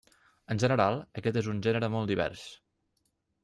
En General, aquest és un gènere molt divers.